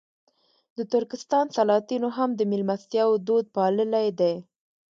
د ترکستان سلاطینو هم د مېلمستیاوو دود پاللی دی.